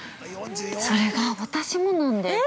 ◆それが、私もなんです。